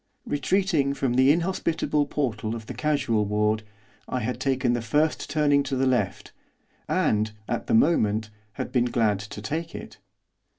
Retreating from the inhospitable portal of the casual ward, I had taken the first turning to the left, and, at the moment, had been glad to take it.